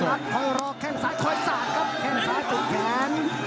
อย่างนั่งรับพอรอแข้งซ้ายคอยสาดครับแข้งซ้ายจุดแขน